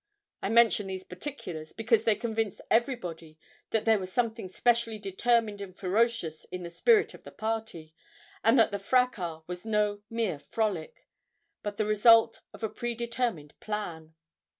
I mention these particulars, because they convinced everybody that there was something specially determined and ferocious in the spirit of the party, and that the fracas was no mere frolic, but the result of a predetermined plan.